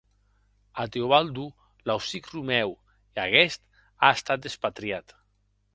A Teobaldo l’aucic Romèu, e aguest a estat despatriat.